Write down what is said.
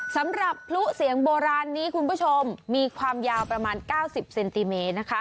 สำหรับพลุเสียงโบราณนี้คุณผู้ชมมีความยาวประมาณ๙๐เซนติเมตรนะคะ